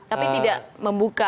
tapi tidak membuka